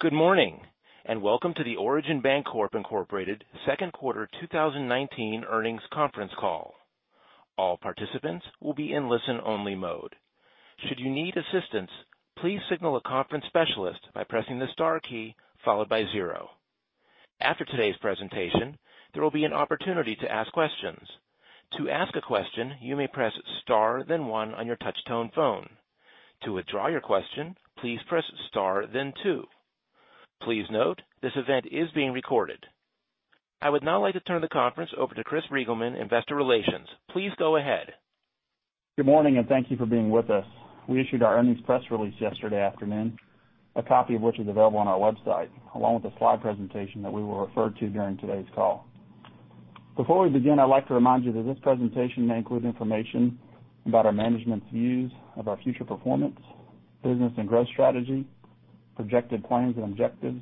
Good morning, and welcome to the Origin Bancorp, Inc. second quarter 2019 earnings conference call. All participants will be in listen-only mode. Should you need assistance, please signal a conference specialist by pressing the star key followed by zero. After today's presentation, there will be an opportunity to ask questions. To ask a question, you may press star then one on your touch-tone phone. To withdraw your question, please press star then two. Please note, this event is being recorded. I would now like to turn the conference over to Chris Reigelman, Director of Investor Relations. Please go ahead. Good morning, and thank you for being with us. We issued our earnings press release yesterday afternoon, a copy of which is available on our website, along with the slide presentation that we will refer to during today's call. Before we begin, I'd like to remind you that this presentation may include information about our management's views of our future performance, business and growth strategy, projected plans and objectives,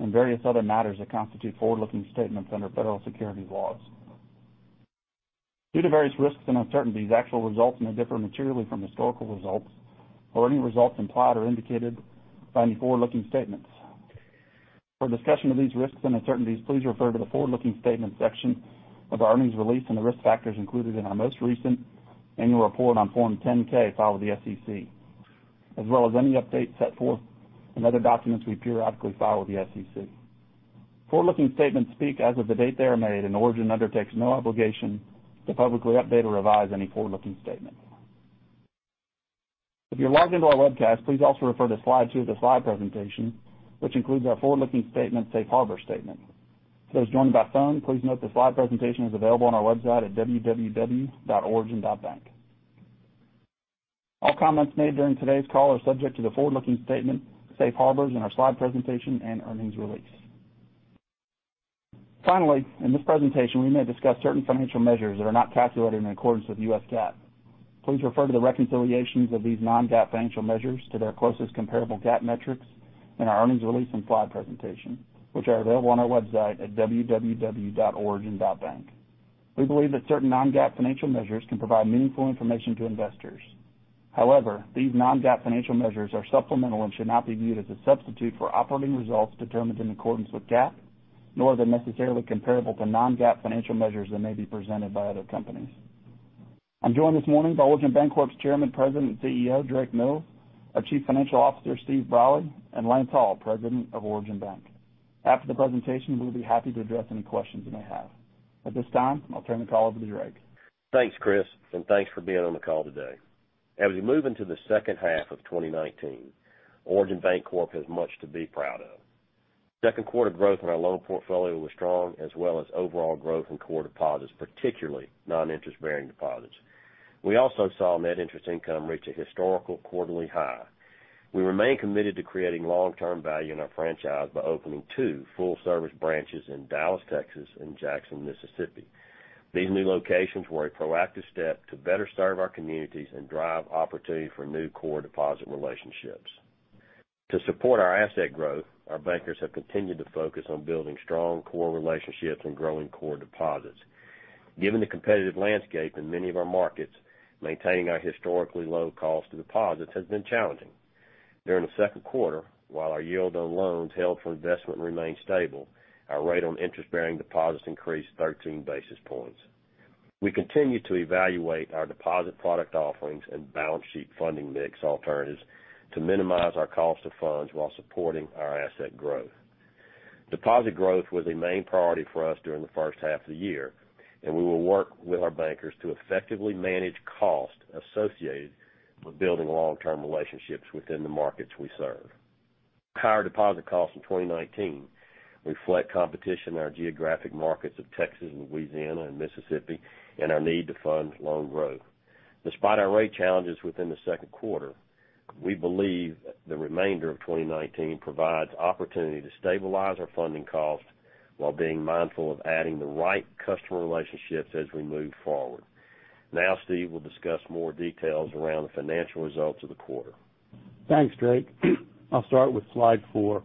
and various other matters that constitute forward-looking statements under federal securities laws. Due to various risks and uncertainties, actual results may differ materially from historical results or any results implied or indicated by any forward-looking statements. For a discussion of these risks and uncertainties, please refer to the forward-looking statements section of our earnings release and the risk factors included in our most recent annual report on Form 10-K filed with the SEC, as well as any updates set forth in other documents we periodically file with the SEC. Forward-looking statements speak as of the date they are made, and Origin undertakes no obligation to publicly update or revise any forward-looking statements. If you're logged into our webcast, please also refer to slide two of the slide presentation, which includes our forward-looking statement safe harbor statement. For those joined by phone, please note the slide presentation is available on our website at www.origin.bank. All comments made during today's call are subject to the forward-looking statement safe harbors in our slide presentation and earnings release. Finally, in this presentation, we may discuss certain financial measures that are not calculated in accordance with US GAAP. Please refer to the reconciliations of these non-GAAP financial measures to their closest comparable GAAP metrics in our earnings release and slide presentation, which are available on our website at www.origin.bank. We believe that certain non-GAAP financial measures can provide meaningful information to investors. However, these non-GAAP financial measures are supplemental and should not be viewed as a substitute for operating results determined in accordance with GAAP, nor are they necessarily comparable to non-GAAP financial measures that may be presented by other companies. I'm joined this morning by Origin Bancorp's Chairman, President, and CEO, Drake Mills, our Chief Financial Officer, Steve Brolly, and Lance Hall, President of Origin Bank. After the presentation, we'll be happy to address any questions you may have. At this time, I'll turn the call over to Drake. Thanks, Chris, and thanks for being on the call today. As we move into the second half of 2019, Origin Bancorp has much to be proud of. Second quarter growth in our loan portfolio was strong, as well as overall growth in core deposits, particularly non-interest bearing deposits. We also saw net interest income reach a historical quarterly high. We remain committed to creating long-term value in our franchise by opening two full-service branches in Dallas, Texas, and Jackson, Mississippi. These new locations were a proactive step to better serve our communities and drive opportunity for new core deposit relationships. To support our asset growth, our bankers have continued to focus on building strong core relationships and growing core deposits. Given the competitive landscape in many of our markets, maintaining our historically low cost of deposits has been challenging. During the second quarter, while our yield on loans held for investment remained stable, our rate on interest-bearing deposits increased 13 basis points. We continue to evaluate our deposit product offerings and balance sheet funding mix alternatives to minimize our cost of funds while supporting our asset growth. Deposit growth was a main priority for us during the first half of the year, and we will work with our bankers to effectively manage costs associated with building long-term relationships within the markets we serve. Higher deposit costs in 2019 reflect competition in our geographic markets of Texas and Louisiana and Mississippi, and our need to fund loan growth. Despite our rate challenges within the second quarter, we believe the remainder of 2019 provides opportunity to stabilize our funding costs while being mindful of adding the right customer relationships as we move forward. Steve will discuss more details around the financial results of the quarter. Thanks, Drake. I'll start with slide four.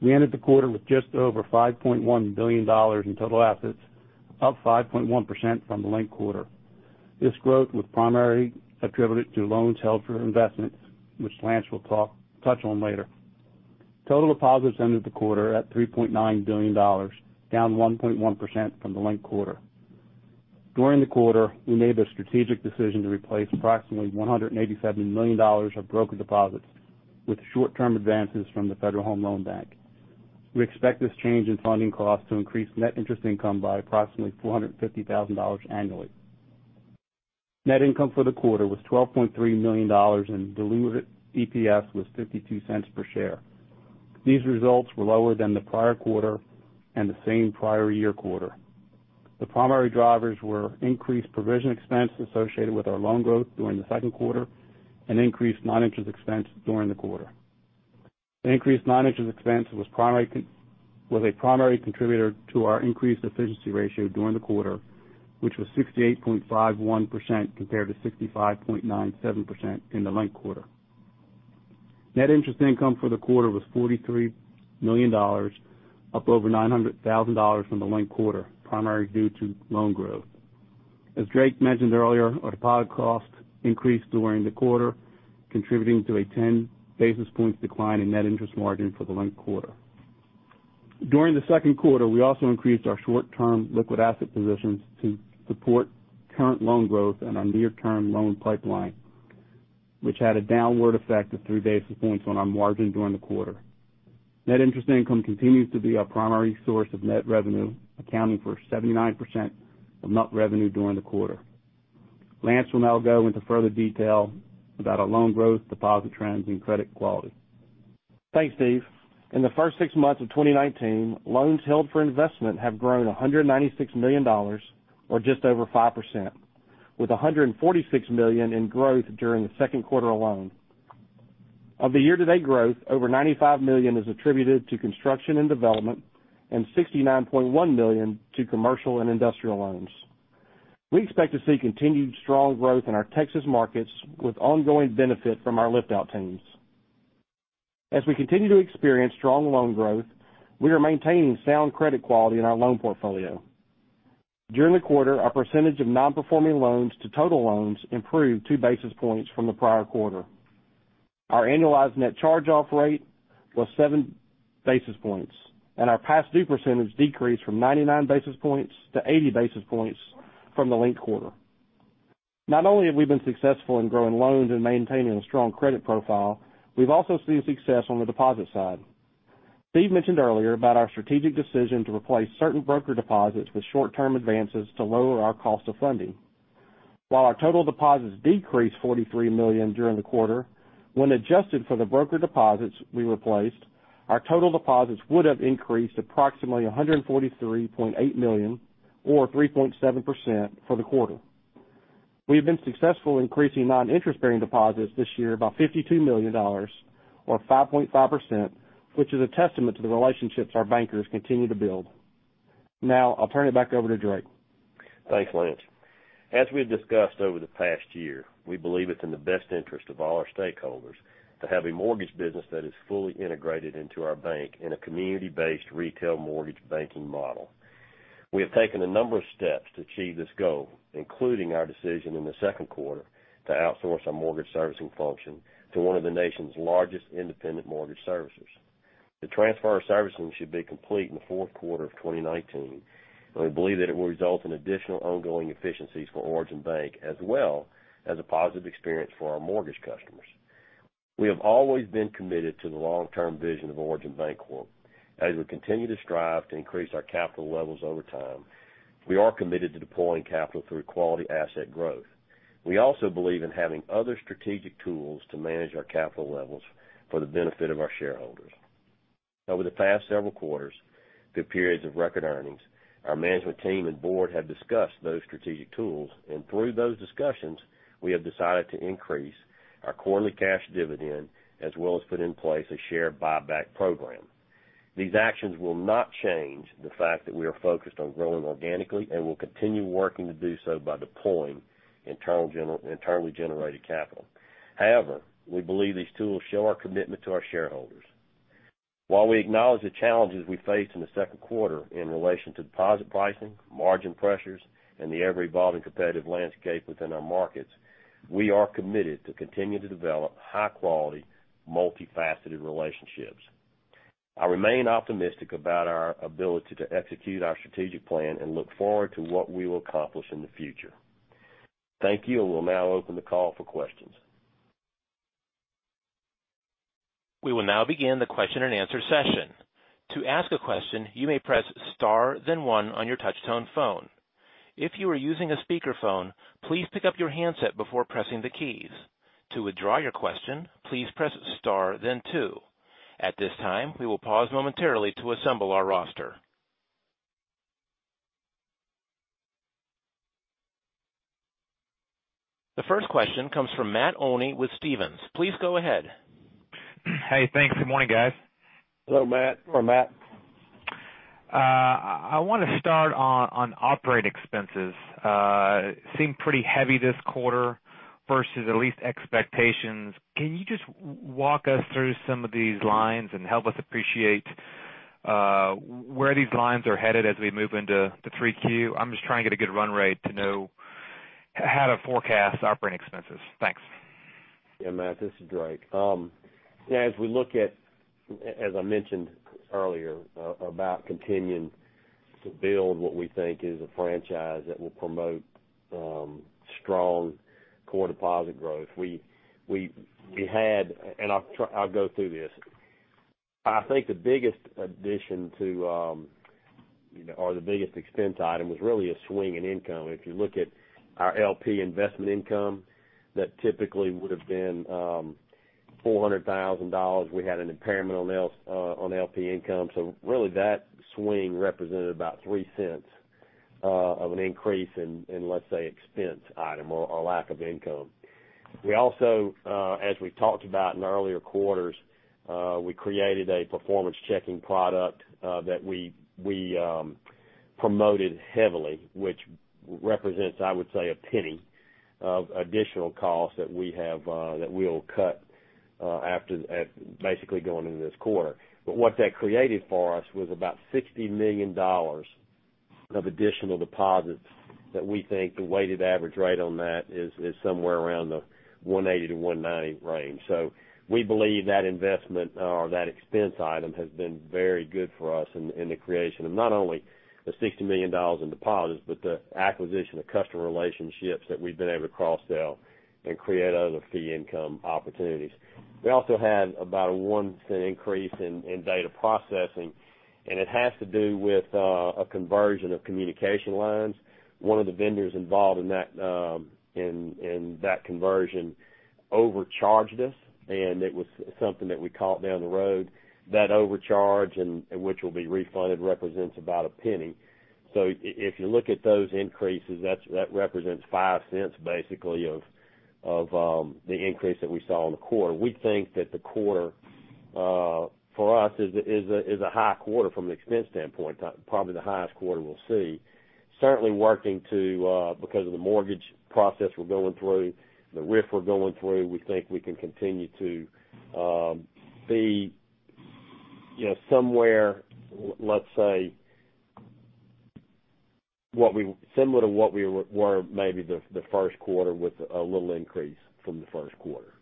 We ended the quarter with just over $5.1 billion in total assets, up 5.1% from the linked quarter. This growth was primarily attributed to loans held for investment, which Lance will touch on later. Total deposits ended the quarter at $3.9 billion, down 1.1% from the linked quarter. During the quarter, we made the strategic decision to replace approximately $187 million of brokered deposits with short-term advances from the Federal Home Loan Bank. We expect this change in funding costs to increase net interest income by approximately $450,000 annually. Net income for the quarter was $12.3 million, and diluted EPS was $0.52 per share. These results were lower than the prior quarter and the same prior year quarter. The primary drivers were increased provision expense associated with our loan growth during the second quarter and increased non-interest expense during the quarter. Increased non-interest expense was a primary contributor to our increased efficiency ratio during the quarter, which was 68.51% compared to 65.97% in the linked quarter. Net interest income for the quarter was $43 million, up over $900,000 from the linked quarter, primarily due to loan growth. As Drake mentioned earlier, our deposit costs increased during the quarter, contributing to a 10 basis points decline in net interest margin for the linked quarter. During the second quarter, we also increased our short-term liquid asset positions to support current loan growth and our near-term loan pipeline, which had a downward effect of three basis points on our margin during the quarter. Net interest income continues to be our primary source of net revenue, accounting for 79% of net revenue during the quarter. Lance will now go into further detail about our loan growth, deposit trends and credit quality. Thanks, Steve. In the first six months of 2019, loans held for investment have grown $196 million, or just over 5%, with $146 million in growth during the second quarter alone. Of the year-to-date growth, over $95 million is attributed to construction and development, and $69.1 million to commercial and industrial loans. We expect to see continued strong growth in our Texas markets with ongoing benefit from our lift-out teams. As we continue to experience strong loan growth, we are maintaining sound credit quality in our loan portfolio. During the quarter, our percentage of non-performing loans to total loans improved two basis points from the prior quarter. Our annualized net charge-off rate was seven basis points, and our past due percentage decreased from 99 basis points to 80 basis points from the linked quarter. Not only have we been successful in growing loans and maintaining a strong credit profile, we've also seen success on the deposit side. Steve mentioned earlier about our strategic decision to replace certain brokered deposits with short-term advances to lower our cost of funding. While our total deposits decreased $43 million during the quarter, when adjusted for the brokered deposits we replaced, our total deposits would have increased approximately $143.8 million or 3.7% for the quarter. We have been successful increasing non-interest bearing deposits this year by $52 million or 5.5%, which is a testament to the relationships our bankers continue to build. I'll turn it back over to Drake. Thanks, Lance. As we've discussed over the past year, we believe it's in the best interest of all our stakeholders to have a mortgage business that is fully integrated into our bank in a community-based retail mortgage banking model. We have taken a number of steps to achieve this goal, including our decision in the second quarter to outsource our mortgage servicing function to one of the nation's largest independent mortgage servicers. The transfer of servicing should be complete in the fourth quarter of 2019, and we believe that it will result in additional ongoing efficiencies for Origin Bank, as well as a positive experience for our mortgage customers. We have always been committed to the long-term vision of Origin Bancorp. As we continue to strive to increase our capital levels over time, we are committed to deploying capital through quality asset growth. We also believe in having other strategic tools to manage our capital levels for the benefit of our shareholders. Over the past several quarters, through periods of record earnings, our management team and board have discussed those strategic tools, and through those discussions, we have decided to increase our quarterly cash dividend, as well as put in place a share buyback program. These actions will not change the fact that we are focused on growing organically and will continue working to do so by deploying entirely generated capital. We believe these tools show our commitment to our shareholders. While we acknowledge the challenges we face in the second quarter in relation to deposit pricing, margin pressures, and the ever-evolving competitive landscape within our markets, we are committed to continue to develop high-quality, multifaceted relationships. I remain optimistic about our ability to execute our strategic plan and look forward to what we will accomplish in the future. Thank you, and we'll now open the call for questions. We will now begin the question and answer session. To ask a question, you may press star then one on your touch-tone phone. If you are using a speakerphone, please pick up your handset before pressing the keys. To withdraw your question, please press star then two. At this time, we will pause momentarily to assemble our roster. The first question comes from Matt Olney with Stephens. Please go ahead. Hey, thanks. Good morning, guys. Hello, Matt. Good morning, Matt. I want to start on operating expenses. Seemed pretty heavy this quarter versus at least expectations. Can you just walk us through some of these lines and help us appreciate where these lines are headed as we move into the 3Q? I'm just trying to get a good run rate to know how to forecast operating expenses. Thanks. Yeah, Matt Olney, this is Drake Mills. As we look at, as I mentioned earlier, about continuing to build what we think is a franchise that will promote strong core deposit growth. We had, and I'll go through this. I think the biggest addition to, or the biggest expense item was really a swing in income. If you look at our LP investment income, that typically would have been $400,000. We had an impairment on LP income, so really that swing represented about $0.03 of an increase in, let's say, expense item or lack of income. We also, as we talked about in earlier quarters, we created a performance checking product that we promoted heavily, which represents, I would say, $0.01 of additional cost that we'll cut basically going into this quarter. What that created for us was about $60 million of additional deposits that we think the weighted average rate on that is somewhere around the 180-190 range. We believe that investment or that expense item has been very good for us in the creation of not only the $60 million in deposits, but the acquisition of customer relationships that we've been able to cross-sell and create other fee income opportunities. We also had about a $0.01 increase in data processing, and it has to do with a conversion of communication lines. One of the vendors involved in that conversion overcharged us, and it was something that we caught down the road. That overcharge, which will be refunded, represents about $0.01. If you look at those increases, that represents $0.05, basically, of the increase that we saw in the quarter. We think that the quarter, for us, is a high quarter from an expense standpoint, probably the highest quarter we'll see. Certainly, because of the mortgage process we're going through, the RIF we're going through, we think we can continue to see somewhere, let's say similar to what we were maybe the first quarter with a little increase from the first quarter.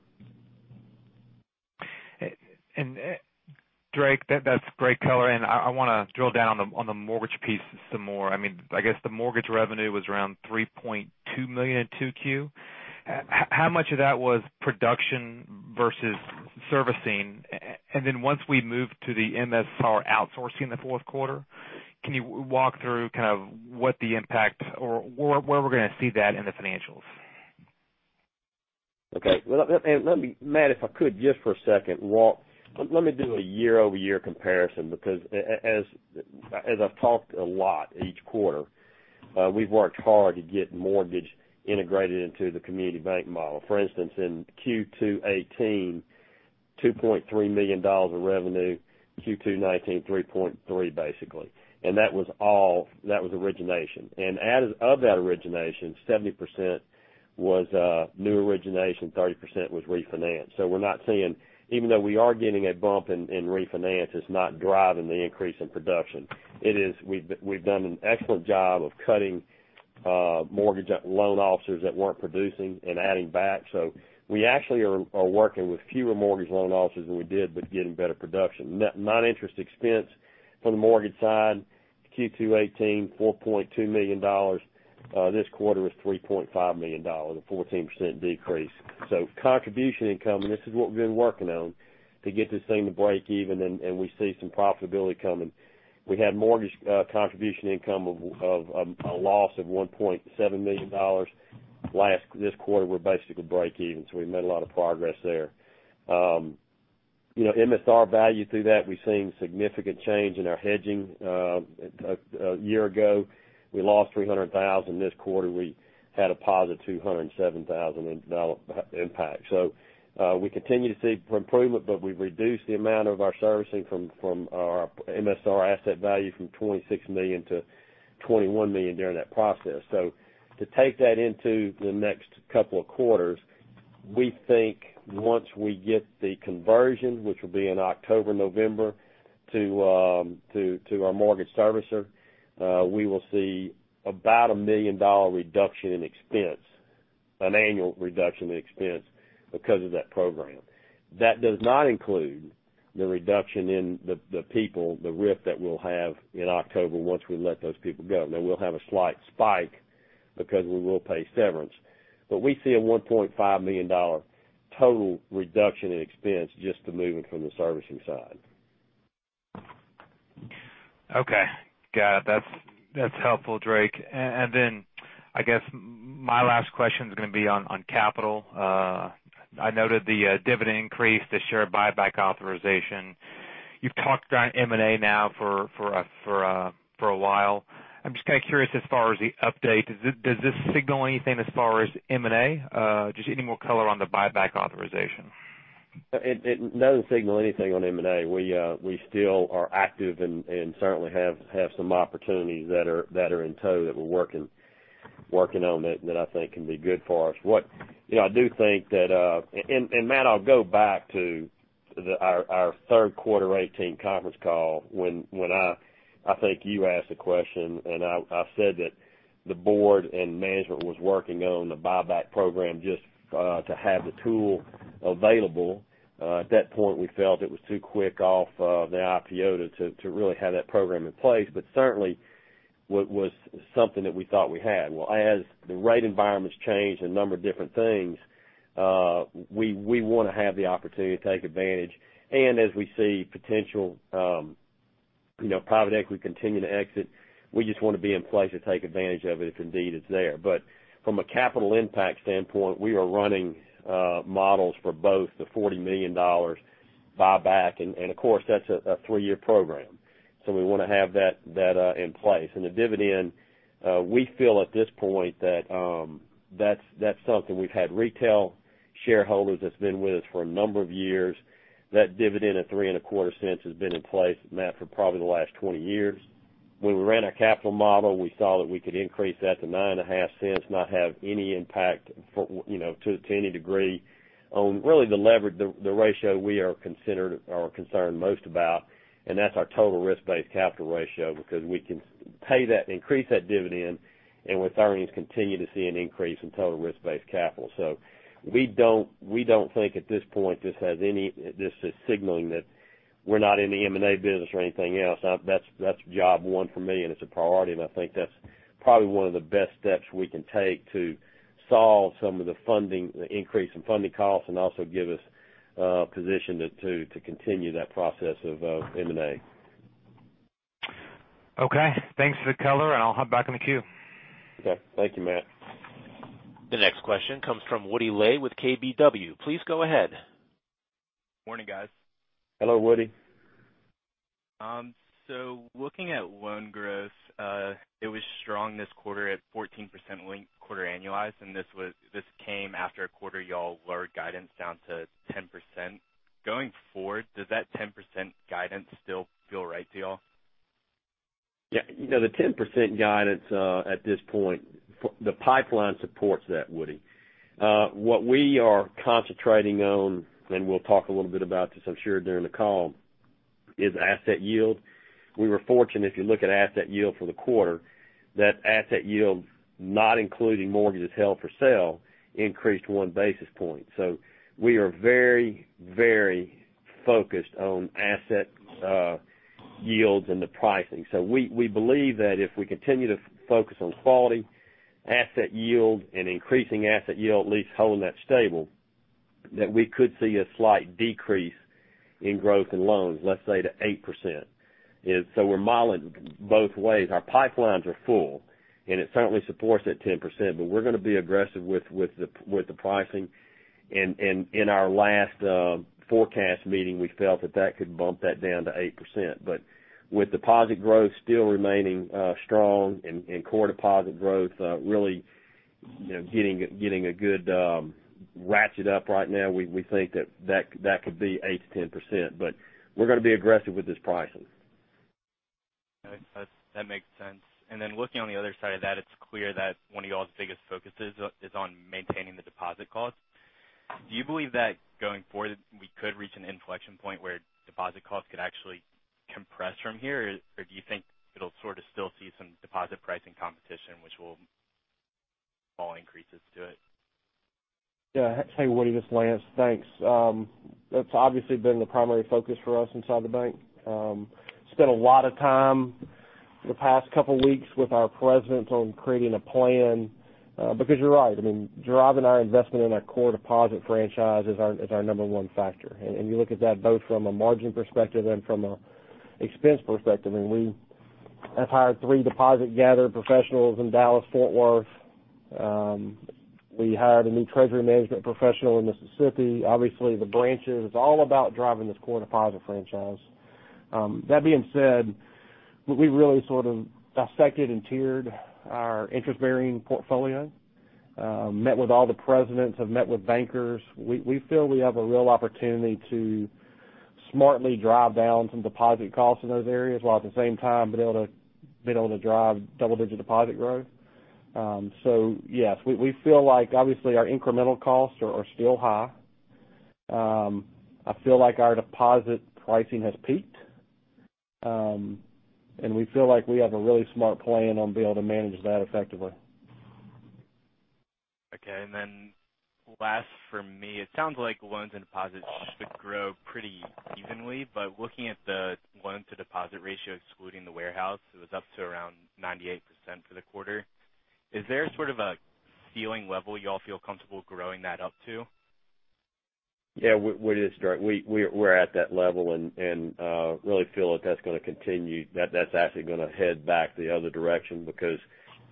Drake, that's great color, and I want to drill down on the mortgage piece some more. I guess the mortgage revenue was around $3.2 million in 2Q. How much of that was production versus servicing? Then once we moved to the MSR outsourcing in the fourth quarter, can you walk through kind of what the impact or where we're going to see that in the financials? Okay. Matt Olney, if I could, just for a second, let me do a year-over-year comparison because as I've talked a lot each quarter, we've worked hard to get mortgage integrated into the community bank model. For instance, in Q2 2018, $2.3 million of revenue, Q2 2019, $3.3 million basically. That was origination. Out of that origination, 70% was new origination, 30% was refinance. We're not seeing, even though we are getting a bump in refinance, it's not driving the increase in production. We've done an excellent job of cutting mortgage loan officers that weren't producing and adding back. We actually are working with fewer mortgage loan officers than we did, but getting better production. Non-interest expense from the mortgage side, Q2 2018, $4.2 million. This quarter is $3.5 million, a 14% decrease. Contribution income, and this is what we've been working on to get this thing to break even and we see some profitability coming. We had mortgage contribution income of a loss of $1.7 million. This quarter, we're basically break even, so we made a lot of progress there. MSR value through that, we've seen significant change in our hedging. A year ago, we lost $300,000. This quarter, we had a positive $207,000 impact. We continue to see improvement, but we've reduced the amount of our servicing from our MSR asset value from $26 million to $21 million during that process. To take that into the next couple of quarters, we think once we get the conversion, which will be in October, November, to our mortgage servicer, we will see about a $1 million reduction in expense, an annual reduction in expense because of that program. That does not include the reduction in the people, the RIF that we'll have in October once we let those people go. We'll have a slight spike because we will pay severance. We see a $1.5 million total reduction in expense just to moving from the servicing side. Okay, got it. That's helpful, Drake. I guess my last question is going to be on capital. I noted the dividend increase, the share buyback authorization. You've talked about M&A now for a while. I'm just kind of curious as far as the update. Does this signal anything as far as M&A? Just any more color on the buyback authorization? It doesn't signal anything on M&A. We still are active and certainly have some opportunities that are in tow that we're working on that I think can be good for us. I do think that, Matt, I'll go back to our third quarter 2018 conference call when I think you asked the question, and I said that the board and management was working on the buyback program just to have the tool available. At that point, we felt it was too quick off the IPO to really have that program in place, but certainly was something that we thought we had. Well, as the rate environments changed, a number of different things, we want to have the opportunity to take advantage. As we see potential private equity continue to exit, we just want to be in place to take advantage of it if indeed it's there. From a capital impact standpoint, we are running models for both the $40 million buyback, and of course, that's a three-year program. We want to have that in place. The dividend, we feel at this point that's something. We've had retail shareholders that's been with us for a number of years. That dividend of three and a quarter cents has been in place, Matt, for probably the last 20 years. When we ran our capital model, we saw that we could increase that to nine and a half cents, not have any impact to any degree on really the leverage, the ratio we are concerned most about, and that's our total risk-based capital ratio, because we can pay that, increase that dividend, and with earnings, continue to see an increase in total risk-based capital. We don't think at this point, this is signaling that we're not in the M&A business or anything else. That's job one for me, and it's a priority, and I think that's probably one of the best steps we can take to solve some of the increase in funding costs and also give us a position to continue that process of M&A. Okay. Thanks for the color, and I'll hop back in the queue. Okay. Thank you, Matt. The next question comes from Woody Lay with KBW. Please go ahead. Morning, guys. Hello, Woody. Looking at loan growth, it was strong this quarter at 14% linked quarter annualized, and this came after a quarter y'all lowered guidance down to 10%. Going forward, does that 10% guidance still feel right to y'all? The 10% guidance, at this point, the pipeline supports that, Woody. What we are concentrating on, and we'll talk a little bit about this, I'm sure, during the call, is asset yield. We were fortunate, if you look at asset yield for the quarter, that asset yield, not including mortgages held for sale, increased one basis point. We are very focused on asset yields and the pricing. We believe that if we continue to focus on quality, asset yield, and increasing asset yield, at least holding that stable, that we could see a slight decrease in growth in loans, let's say to 8%. We're modeling both ways. Our pipelines are full, and it certainly supports that 10%, but we're going to be aggressive with the pricing. In our last forecast meeting, we felt that that could bump that down to 8%. With deposit growth still remaining strong and core deposit growth really getting a good ratchet up right now, we think that could be 8%-10%, but we're going to be aggressive with this pricing. That makes sense. Looking on the other side of that, it's clear that one of y'all's biggest focuses is on maintaining the deposit costs. Do you believe that going forward, we could reach an inflection point where deposit costs could actually compress from here? Do you think it'll sort of still see some deposit pricing competition, which will call increases to it? Hey, Woody Lay, this Lance Hall. Thanks. That's obviously been the primary focus for us inside the bank. Spent a lot of time the past couple of weeks with our presidents on creating a plan, because you're right. I mean, driving our investment in our core deposit franchise is our number one factor. You look at that both from a margin perspective and from a expense perspective, and we have hired three deposit gather professionals in Dallas-Fort Worth. We hired a new treasury management professional in Mississippi, obviously the branches. It's all about driving this core deposit franchise. That being said, we really sort of dissected and tiered our interest-bearing portfolio, met with all the presidents, have met with bankers. We feel we have a real opportunity to smartly drive down some deposit costs in those areas, while at the same time being able to drive double-digit deposit growth. Yes, we feel like obviously our incremental costs are still high. I feel like our deposit pricing has peaked. We feel like we have a really smart plan on being able to manage that effectively. Okay, last for me, it sounds like loans and deposits should grow pretty evenly, but looking at the loan-to-deposit ratio excluding the warehouse, it was up to around 98% for the quarter. Is there sort of a ceiling level y'all feel comfortable growing that up to? Woody, that's Drake. We're at that level and really feel that that's going to continue, that's actually going to head back the other direction because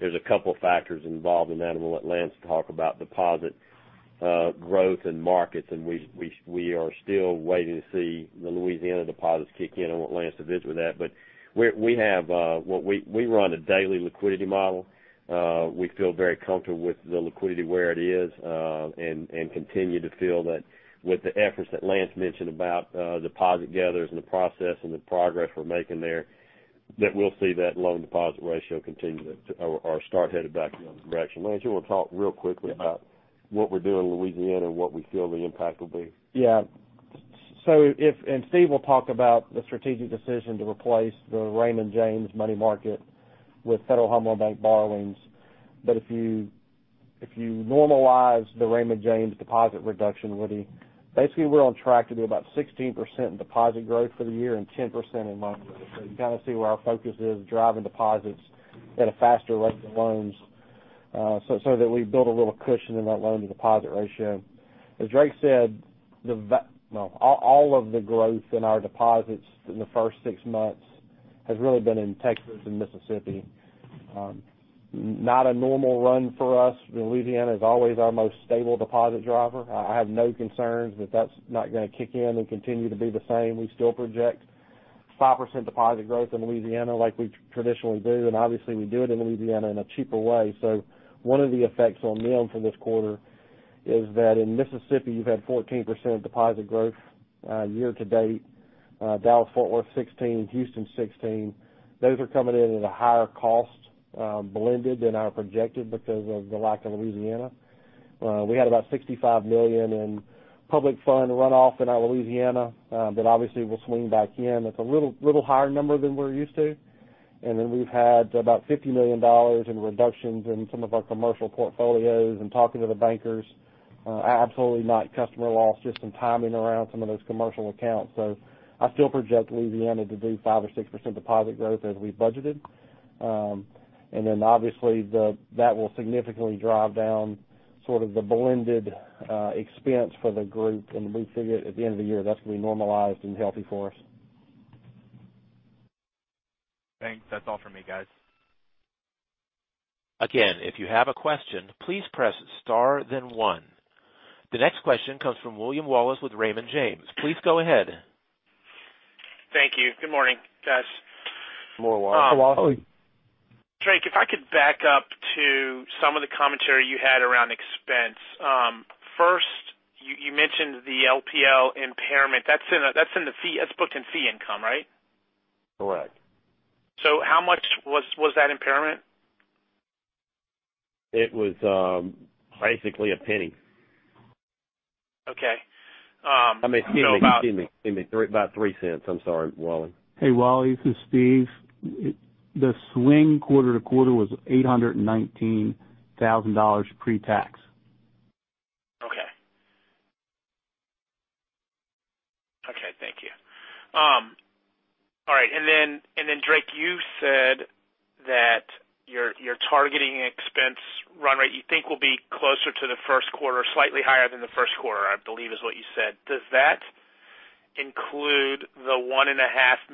there's a couple factors involved in that, and we'll let Lance talk about deposit growth and markets, and we are still waiting to see the Louisiana deposits kick in. I want Lance to visit with that. We run a daily liquidity model. We feel very comfortable with the liquidity where it is, and continue to feel that with the efforts that Lance mentioned about deposit gatherers and the process and the progress we're making there, that we'll see that loan-to-deposit ratio continue to or start headed back in the other direction. Lance, you want to talk real quickly about what we're doing in Louisiana and what we feel the impact will be? Yeah. Steve will talk about the strategic decision to replace the Raymond James money market with Federal Home Loan Bank borrowings. If you normalize the Raymond James deposit reduction, Woody, basically we're on track to do about 16% in deposit growth for the year and 10% in loans. You kind of see where our focus is, driving deposits at a faster rate than loans so that we build a little cushion in that loan-to-deposit ratio. As Drake said, all of the growth in our deposits in the first six months has really been in Texas and Mississippi. Not a normal run for us. Louisiana is always our most stable deposit driver. I have no concerns that that's not going to kick in and continue to be the same. We still project 5% deposit growth in Louisiana like we traditionally do. Obviously we do it in Louisiana in a cheaper way. One of the effects on NIM for this quarter is that in Mississippi you've had 14% deposit growth year to date. Dallas Fort Worth 16%, Houston 16%. Those are coming in at a higher cost, blended than our projected because of the lack of Louisiana. We had about $65 million in public fund runoff in our Louisiana that obviously will swing back in. It's a little higher number than we're used to. We've had about $50 million in reductions in some of our commercial portfolios and talking to the bankers, absolutely not customer loss, just some timing around some of those commercial accounts. I still project Louisiana to do 5% or 6% deposit growth as we budgeted. Obviously, that will significantly drive down sort of the blended expense for the group, and we figure at the end of the year, that's going to be normalized and healthy for us. Thanks. That's all for me, guys. Again, if you have a question, please press star then one. The next question comes from William Wallace with Raymond James. Please go ahead. Thank you. Good morning, guys. Wally. Drake, if I could back up to some of the commentary you had around expense. First, you mentioned the LPL impairment. That's booked in fee income, right? Correct. How much was that impairment? It was basically $0.01. Okay. Excuse me. About $0.03. I'm sorry, Wally. Hey, Wally, this is Steve. The swing quarter-to-quarter was $819,000 pre-tax. Okay. Okay, thank you. All right, Drake, you said that you're targeting expense run rate you think will be closer to the first quarter, slightly higher than the first quarter, I believe is what you said. Does that include the $1.5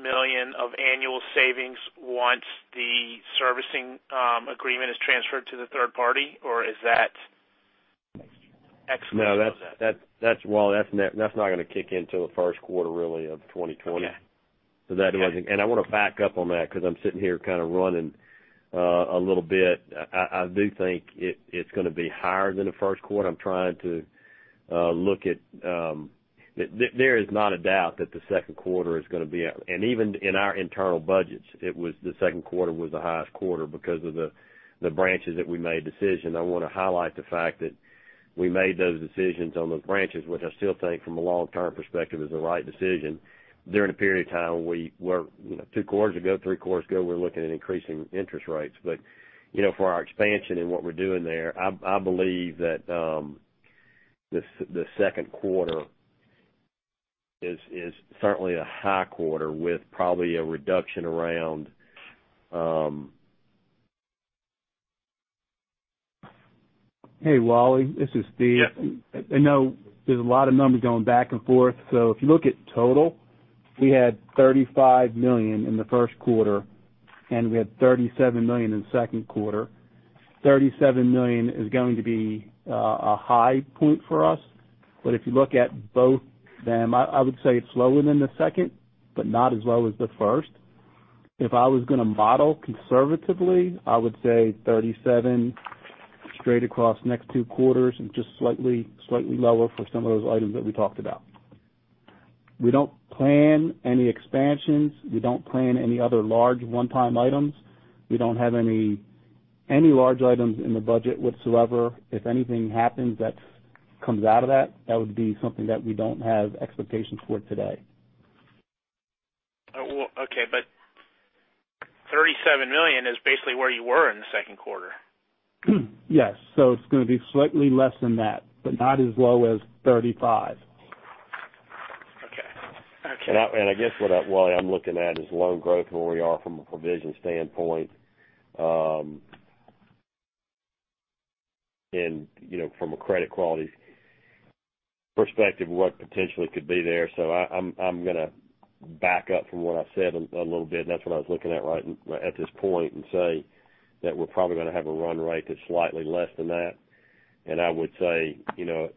million of annual savings once the servicing agreement is transferred to the third party? Or is that extra? No, Wally, that's not going to kick in till the first quarter really of 2020. Okay. I want to back up on that because I'm sitting here kind of running a little bit. I do think it's going to be higher than the first quarter. Even in our internal budgets, the second quarter was the highest quarter because of the branches that we made decisions. I want to highlight the fact that we made those decisions on those branches, which I still think from a long-term perspective is the right decision during a period of time, two quarters ago, three quarters ago, we're looking at increasing interest rates. For our expansion and what we're doing there, I believe that the second quarter is certainly a high quarter with probably a reduction around Hey, Wally, this is Steve. Yes. I know there's a lot of numbers going back and forth. If you look at total, we had $35 million in the first quarter, and we had $37 million in the second quarter. $37 million is going to be a high point for us. If you look at both of them, I would say it's lower than the second, but not as low as the first. If I was going to model conservatively, I would say $37 straight across next two quarters and just slightly lower for some of those items that we talked about. We don't plan any expansions. We don't plan any other large one-time items. We don't have any large items in the budget whatsoever. If anything happens that comes out of that would be something that we don't have expectations for today. Okay, $37 million is basically where you were in the second quarter. Yes. It's going to be slightly less than that, but not as low as 35. Okay. I guess what, Wally, I'm looking at is loan growth and where we are from a provision standpoint, and from a credit quality perspective, what potentially could be there. I'm going to back up from what I said a little bit, and that's what I was looking at this point and say that we're probably going to have a run rate that's slightly less than that, and I would say $0.01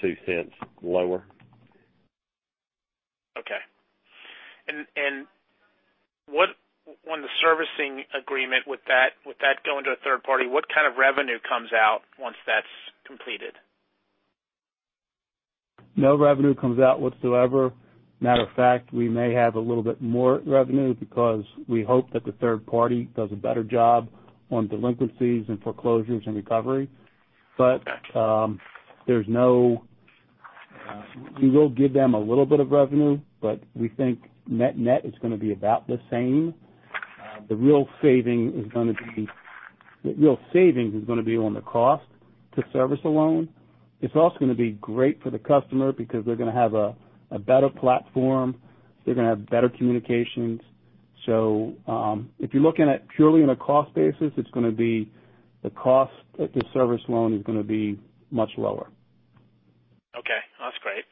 to $0.02 lower. Okay. On the servicing agreement, with that going to a third party, what kind of revenue comes out once that's completed? No revenue comes out whatsoever. Matter of fact, we may have a little bit more revenue because we hope that the third party does a better job on delinquencies and foreclosures and recovery. We will give them a little bit of revenue, but we think net is going to be about the same. The real savings is going to be on the cost to service the loan. It's also going to be great for the customer because they're going to have a better platform. They're going to have better communications. If you're looking at purely on a cost basis, the cost to service loan is going to be much lower. Okay. That's great.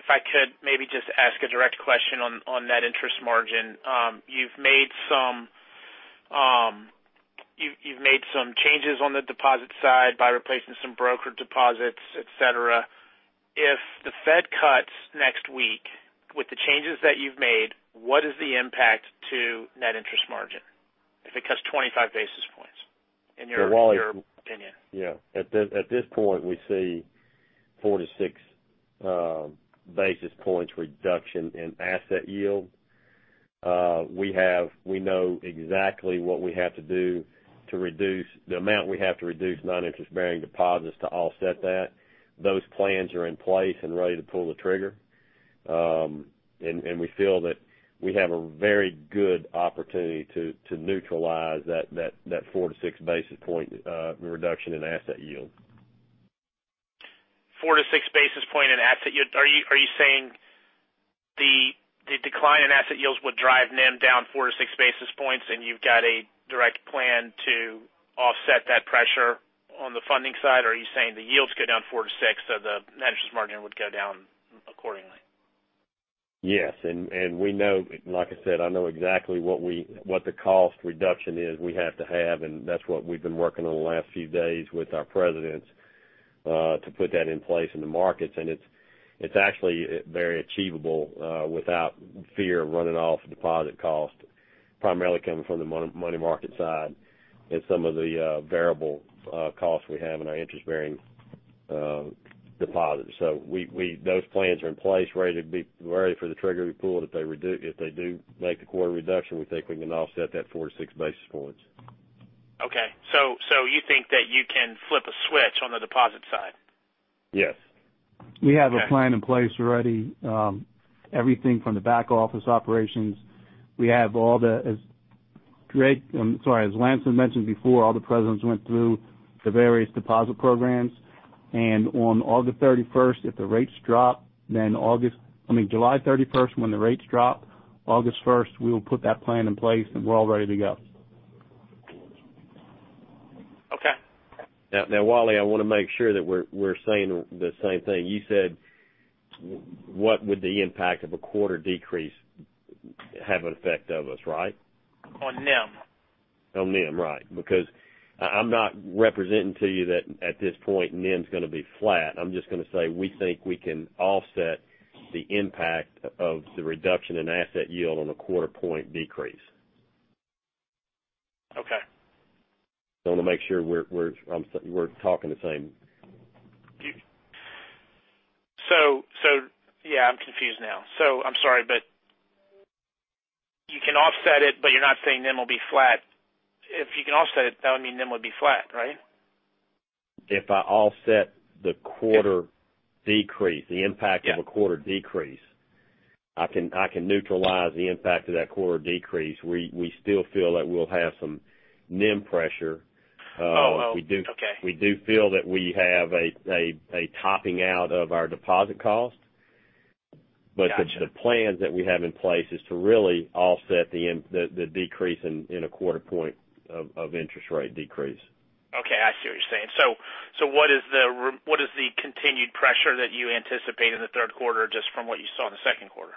If I could maybe just ask a direct question on net interest margin. You've made some changes on the deposit side by replacing some brokered deposits, et cetera. If the Fed cuts next week, with the changes that you've made, what is the impact to net interest margin if it cuts 25 basis points, in your opinion? Yeah. At this point, we see four to six basis points reduction in asset yield. We know exactly what we have to do to reduce the amount we have to reduce non-interest-bearing deposits to offset that. Those plans are in place and ready to pull the trigger. We feel that we have a very good opportunity to neutralize that four to six basis point reduction in asset yield. Four to six basis points in asset yield. Are you saying the decline in asset yields would drive NIM down four to six basis points, and you've got a direct plan to offset that pressure on the funding side, or are you saying the yields go down four to six, so the net interest margin would go down accordingly? Yes. Like I said, I know exactly what the cost reduction is we have to have, and that's what we've been working on the last few days with our presidents, to put that in place in the markets. It's actually very achievable without fear of running off deposit cost, primarily coming from the money market side and some of the variable costs we have in our interest-bearing deposits. Those plans are in place, ready for the trigger to be pulled. If they do make the quarter reduction, we think we can offset that 4-6 basis points. Okay. You think that you can flip a switch on the deposit side? Yes. We have a plan in place already. Everything from the back office operations. As Lance had mentioned before, all the presidents went through the various deposit programs, and on August 31st, if the rates drop, then I mean, July 31st, when the rates drop, August 1st, we will put that plan in place and we're all ready to go. Okay. Now, Wally, I want to make sure that we're saying the same thing. You said, what would the impact of a quarter decrease have an effect of us, right? On NIM. On NIM, right. I'm not representing to you that at this point, NIM's going to be flat. I'm just going to say, we think we can offset the impact of the reduction in asset yield on a quarter point decrease. Okay. I want to make sure we're talking the same. Yeah, I'm confused now. I'm sorry, but you can offset it, but you're not saying NIM will be flat. If you can offset it, that would mean NIM would be flat, right? If I offset the quarter decrease, the impact of a quarter decrease, I can neutralize the impact of that quarter decrease. We still feel that we'll have some NIM pressure. Oh, okay. We do feel that we have a topping out of our deposit cost. Got you. The plans that we have in place is to really offset the decrease in a quarter point of interest rate decrease. Okay, I see what you're saying. What is the continued pressure that you anticipate in the third quarter just from what you saw in the second quarter?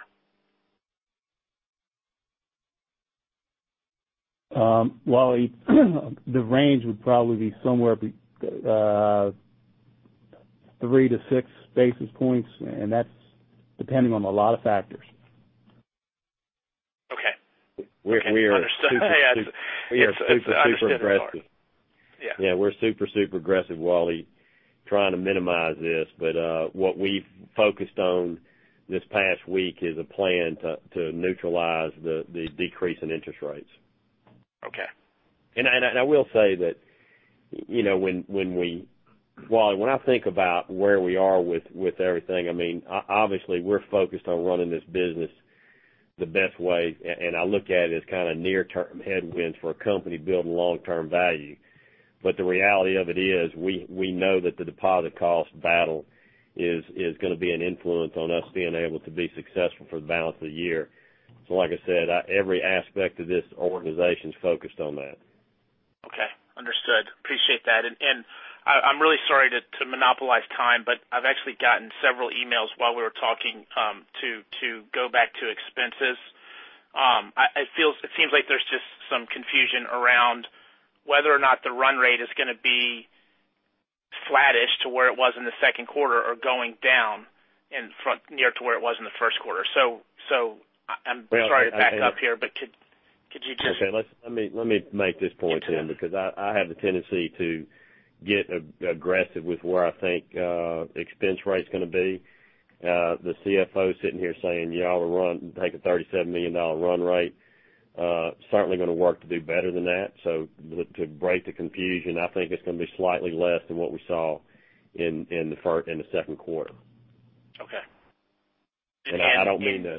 Wally, the range would probably be somewhere three to six basis points, and that's depending on a lot of factors. Okay. I understand. We are super aggressive. Yeah. Yeah, we're super aggressive, Wally, trying to minimize this. What we've focused on this past week is a plan to neutralize the decrease in interest rates. Okay. I will say that, Wally, when I think about where we are with everything, obviously, we're focused on running this business the best way, and I look at it as kind of near-term headwinds for a company building long-term value. The reality of it is, we know that the deposit cost battle is going to be an influence on us being able to be successful for the balance of the year. Like I said, every aspect of this organization's focused on that. Okay, understood. Appreciate that. I'm really sorry to monopolize time, I've actually gotten several emails while we were talking, to go back to expenses. It seems like there's just some confusion around whether or not the run rate is going to be flattish to where it was in the second quarter or going down near to where it was in the first quarter. I'm sorry to back up here, could you just? Okay, let me make this point because I have the tendency to get aggressive with where I think expense rate's going to be. The CFO's sitting here saying, "You all are taking a $37 million run rate." Certainly going to work to do better than that. To break the confusion, I think it's going to be slightly less than what we saw in the second quarter. Okay. I don't mean to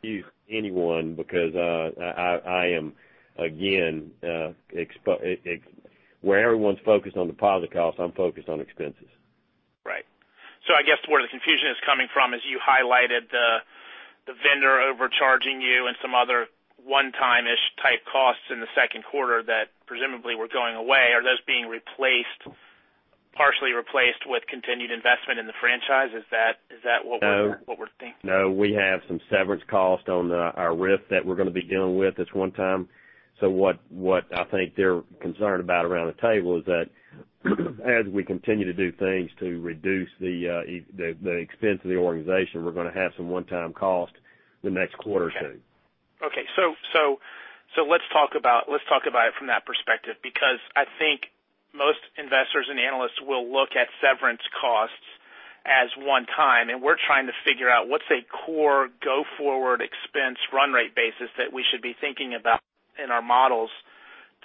confuse anyone because, where everyone's focused on deposit costs, I'm focused on expenses. Right. I guess where the confusion is coming from is you highlighted the vendor overcharging you and some other one-time-ish type costs in the second quarter that presumably were going away. Are those being partially replaced with continued investment in the franchise? Is that what we're thinking? No, we have some severance cost on our RIF that we're going to be dealing with. That's one time. What I think they're concerned about around the table is that as we continue to do things to reduce the expense of the organization, we're going to have some one-time cost the next quarter or two. Okay. Let's talk about it from that perspective, because I think most investors and analysts will look at severance costs as one time, and we're trying to figure out what's a core go forward expense run rate basis that we should be thinking about in our models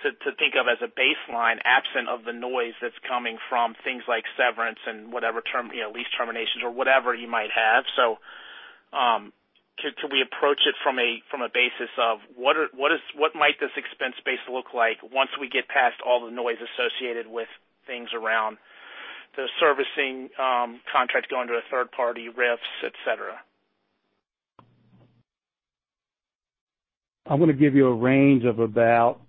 to think of as a baseline, absent of the noise that's coming from things like severance and whatever term, lease terminations or whatever you might have. Can we approach it from a basis of what might this expense base look like once we get past all the noise associated with things around the servicing contracts going to a third party, RIFs, et cetera? I'm going to give you a range of about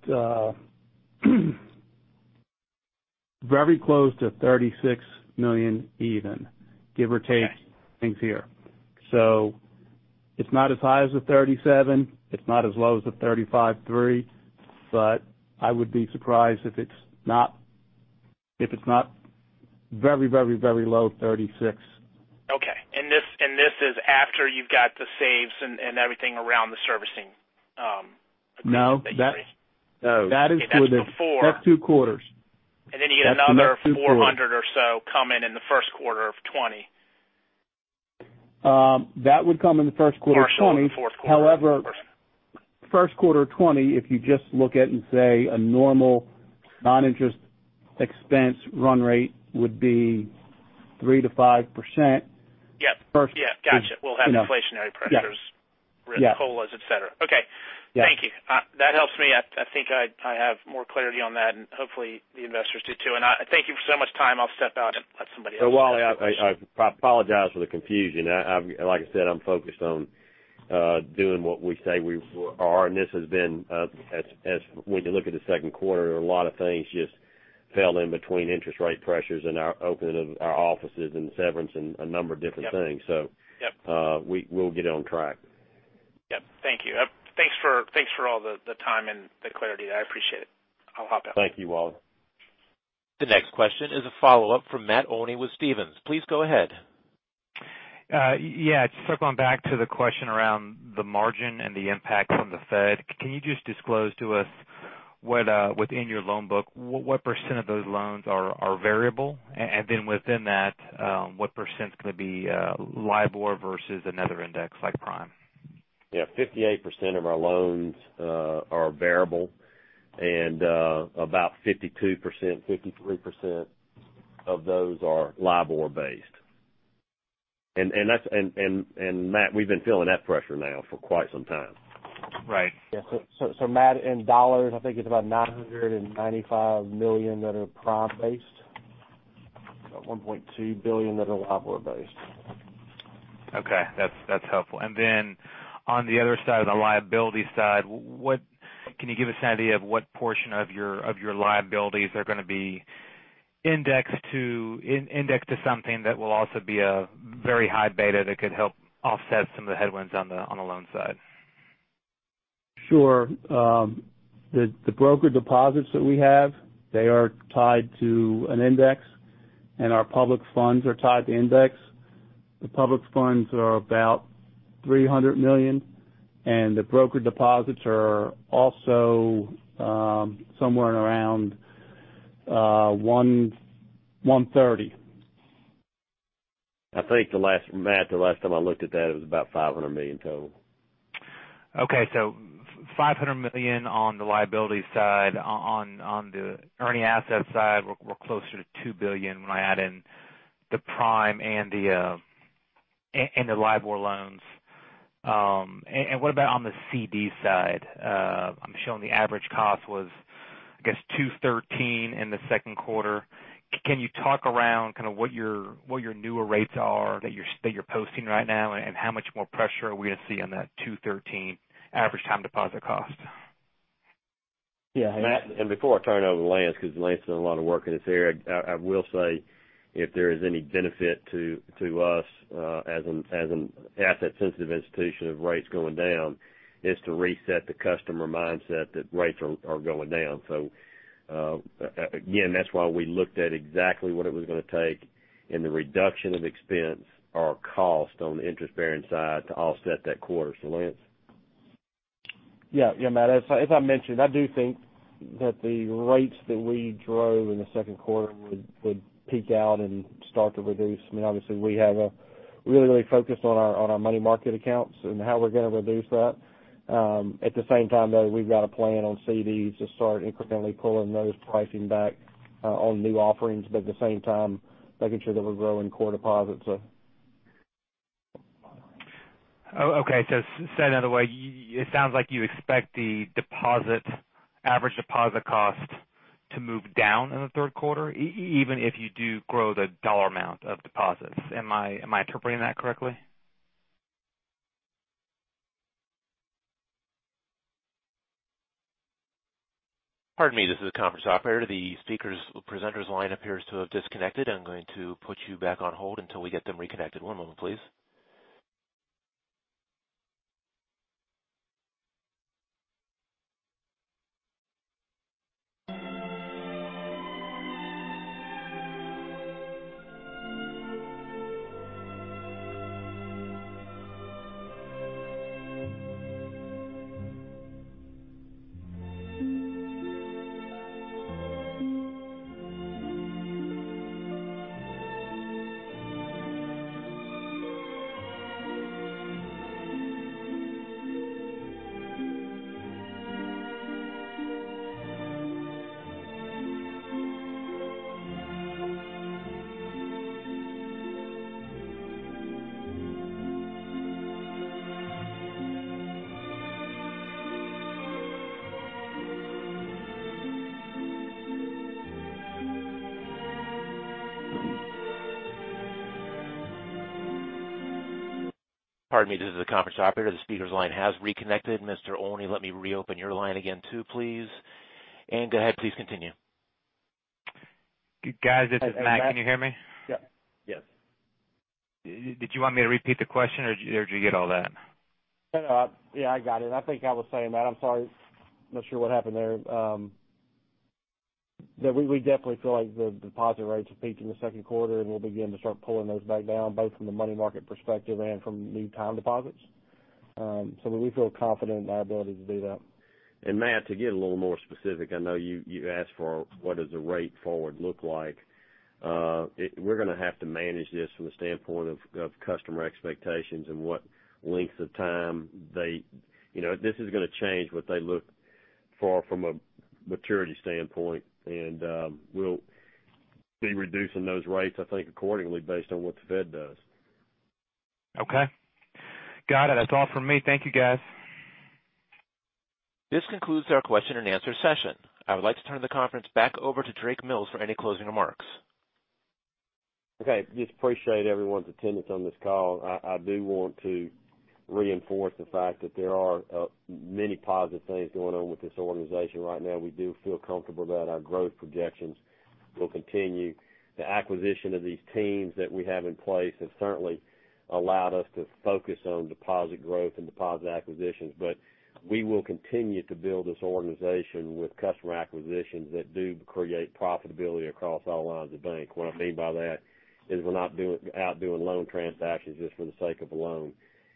very close to $36 million even, give or take things here. It's not as high as the $37, it's not as low as the $35.3, but I would be surprised if it's not very low $36. Okay. This is after you've got the saves and everything around the servicing agreement that you. No. That's before. That's two quarters. You get another 400 or so come in in the first quarter of 2020. That would come in the first quarter of 2020. fourth quarter. First quarter of 2020, if you just look at and say a normal non-interest expense run rate would be 3% to 5%. Yep. Got you. We'll have inflationary pressures. Yes. RIF, COLAs, et cetera. Okay. Yes. Thank you. That helps me. I think I have more clarity on that and hopefully the investors do too. Thank you for so much time. Wally, I apologize for the confusion. Like I said, I'm focused on doing what we say we are, and this has been, when you look at the second quarter, there are a lot of things just fell in between interest rate pressures and our opening of our offices and severance and a number of different things. Yep. We'll get it on track. Yep. Thank you. Thanks for all the time and the clarity. I appreciate it. I'll hop out. Thank you, Wally. The next question is a follow-up from Matt Olney with Stephens. Please go ahead. Yeah. Just circling back to the question around the margin and the impact from the Fed. Can you just disclose to us what, within your loan book, what % of those loans are variable? Then within that, what percent's going to be LIBOR versus another index like Prime? Yeah. 58% of our loans are variable and about 52%, 53% of those are LIBOR based. Matt, we've been feeling that pressure now for quite some time. Right. Yeah. Matt Olney, in dollars, I think it's about $995 million that are Prime based. $1.2 billion that are LIBOR based. Okay. That's helpful. Then on the other side, the liability side, can you give us an idea of what portion of your liabilities are going to be indexed to something that will also be a very high beta that could help offset some of the headwinds on the loan side? Sure. The brokered deposits that we have, they are tied to an index, and our public funds are tied to an index. The public funds are about $300 million, and the brokered deposits are also somewhere in around $130. I think, Matt, the last time I looked at that, it was about $500 million total. Okay. $500 million on the liability side. On the earning asset side, we're closer to $2 billion when I add in the Prime and the LIBOR loans. What about on the CD side? I'm showing the average cost was, I guess, 2.13% in the second quarter. Can you talk around kind of what your newer rates are that you're posting right now and how much more pressure are we going to see on that 2.13% average time deposit cost? Yeah. Matt, before I turn it over to Lance, because Lance has done a lot of work in this area, I will say if there is any benefit to us, as an asset sensitive institution of rates going down, is to reset the customer mindset that rates are going down. Again, that's why we looked at exactly what it was going to take in the reduction of expense or cost on the interest-bearing side to offset that quarter. Lance. Yeah, Matt, as I mentioned, I do think that the rates that we drove in the second quarter would peak out and start to reduce. I mean, obviously we have a really focused on our money market accounts and how we're going to reduce that. At the same time, though, we've got a plan on CDs to start incrementally pulling those pricing back on new offerings, but at the same time making sure that we're growing core deposits. Okay, say another way. It sounds like you expect the average deposit cost to move down in the third quarter even if you do grow the dollar amount of deposits. Am I interpreting that correctly? Pardon me. This is the conference operator. The speaker's, presenter's line appears to have disconnected. I'm going to put you back on hold until we get them reconnected. One moment, please. Pardon me. This is the conference operator. The speaker's line has reconnected. Mr. Olney, let me reopen your line again too, please. Go ahead, please continue. Guys, this is Matt. Can you hear me? Yep. Yes. Did you want me to repeat the question, or did you get all that? Yeah, I got it. I think I was saying, Matt, I'm sorry. Not sure what happened there. We definitely feel like the deposit rates have peaked in the second quarter, and we'll begin to start pulling those back down, both from the money market perspective and from new time deposits. We feel confident in our ability to do that. Matt, to get a little more specific, I know you asked for what does the rate forward look like. We're going to have to manage this from the standpoint of customer expectations and what lengths of time. This is going to change what they look for from a maturity standpoint. We'll be reducing those rates, I think, accordingly, based on what the Fed does. Okay. Got it. That's all from me. Thank you, guys. This concludes our question and answer session. I would like to turn the conference back over to Drake Mills for any closing remarks. Okay. Just appreciate everyone's attendance on this call. I do want to reinforce the fact that there are many positive things going on with this organization right now. We do feel comfortable that our growth projections will continue. The acquisition of these teams that we have in place has certainly allowed us to focus on deposit growth and deposit acquisitions, but we will continue to build this organization with customer acquisitions that do create profitability across all lines of the bank. What I mean by that is we're not out doing loan transactions just for the sake of a loan.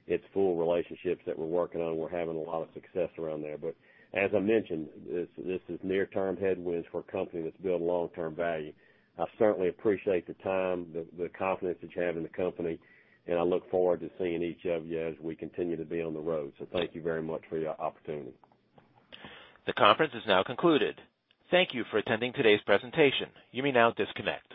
It's full relationships that we're working on. We're having a lot of success around there. As I mentioned, this is near-term headwinds for a company that's building long-term value. I certainly appreciate the time, the confidence that you have in the company, and I look forward to seeing each of you as we continue to be on the road. Thank you very much for your opportunity. The conference is now concluded. Thank you for attending today's presentation. You may now disconnect.